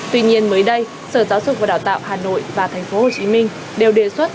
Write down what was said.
tuy nhiên mới đây sở giáo dục và đào tạo hà nội và tp hcm đều đề xuất